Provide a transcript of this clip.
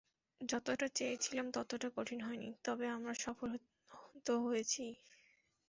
যতটা চেয়েছিলাম ততটা কঠিন হয়নি, তবে আমরা সফল তো হয়েছি।